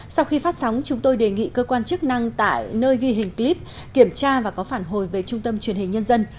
sau khi phát sóng chúng tôi đề nghị cơ quan chức năng tại nơi ghi hình clip kiểm tra và có phản hồi về trung tâm truyền hình nhân dân